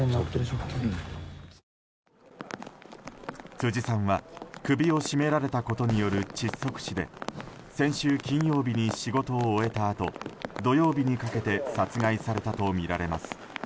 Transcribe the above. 辻さんは、首を絞められたことによる窒息死で先週金曜日に仕事を終えたあと土曜日にかけて殺害されたとみられます。